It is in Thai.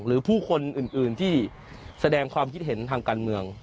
หรือผู้คนอื่นที่แสดงความคิดเห็นทางการเมือง